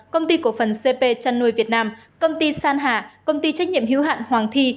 công ty cổ phần cp chăn nuôi việt nam công ty san hạ công ty trách nhiệm hữu hạn hoàng thi